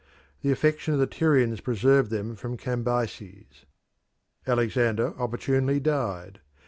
The affection of the Tyrians preserved them from Cambyses. Alexander opportunely died.